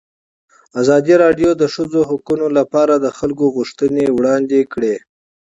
ازادي راډیو د د ښځو حقونه لپاره د خلکو غوښتنې وړاندې کړي.